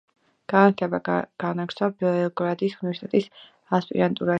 განათლება განაგრძო ბელგრადის უნივერსიტეტის ასპირანტურაში.